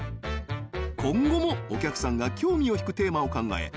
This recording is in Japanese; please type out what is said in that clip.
今後もお客さんが興味を引くテーマを考え